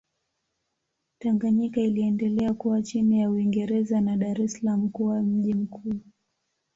Tanganyika iliendelea kuwa chini ya Uingereza na Dar es Salaam kuwa mji mkuu.